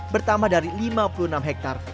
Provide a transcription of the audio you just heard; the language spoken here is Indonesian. bertambah dari lima puluh enam hektare